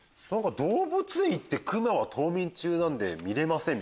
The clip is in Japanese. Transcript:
動物園行ってクマは冬眠中なんで見れません！